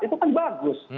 itu kan bagus